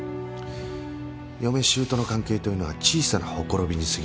嫁姑の関係というのは小さなほころびにすぎない。